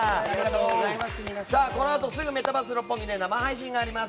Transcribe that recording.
このあとすぐメタバース六本木で生配信があります。